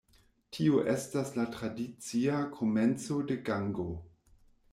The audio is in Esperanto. Tio estas la tradicia komenco de Gango.